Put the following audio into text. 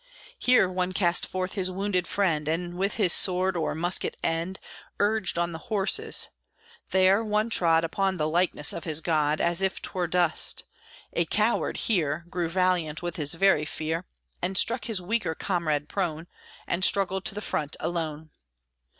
Here one cast forth his wounded friend, And with his sword or musket end Urged on the horses; there one trod Upon the likeness of his God, As if 'twere dust; a coward here Grew valiant with his very fear, And struck his weaker comrade prone, And struggled to the front alone.